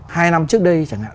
hai năm trước đây chẳng hạn